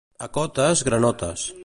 A Cotes, granotes.